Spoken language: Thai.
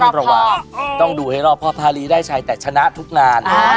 ต้องระวังต้องดูให้หลอกพ่อภารีได้ชายแต่ชนะทุกงาน